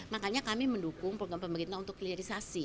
makanya kami mendukung program pemerintah untuk hilirisasi